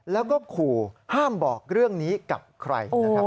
แล้วก็ขู่ห้ามบอกเรื่องนี้กับใครนะครับ